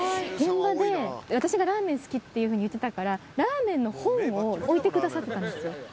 現場で、私がラーメン好きっていうふうに言ってたから、ラーメンの本を置いてくださってたんですよ。